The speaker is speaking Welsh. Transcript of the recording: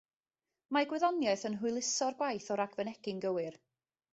Mae gwyddoniaeth yn hwyluso'r gwaith o ragfynegi'n gywir.